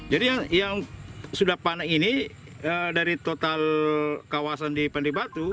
jadi yang sudah panen ini dari total kawasan di pandi batu